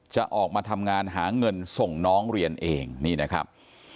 จะออกมาทำงานหาเงินส่งน้องเรียนเองนี่นะครับ